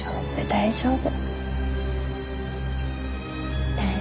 大丈夫。